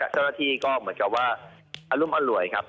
เจ้าหน้าที่ก็เหมือนกับว่าอรุมอร่วยครับ